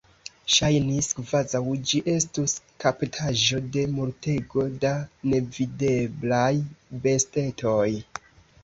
Ŝajnis, kvazaŭ ĝi estus kaptaĵo de multego da nevideblaj bestetoj.